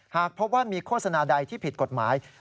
หากพบว่ามีโฆษณาใดที่ผิดกฎหมาย